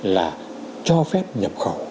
là cho phép nhập khẩu